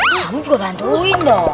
kamu juga bantuin dong